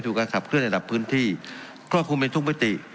กับเครื่องระดับพื้นที่ควบคุมในทุกพฤติ